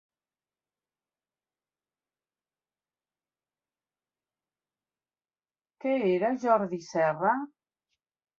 Què era Jordi Serra?